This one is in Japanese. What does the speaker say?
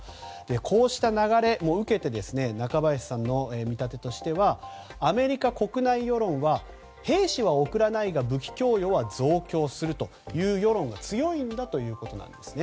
こうした流れを受けて中林さんの見立てとしてはアメリカ国内世論は兵士は送らないが武器供与は増強するという世論が強いんだということなんです。